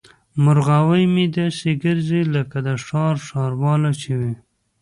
مرغاوۍ مې داسې ګرځي لکه د ښار ښارواله چې وي.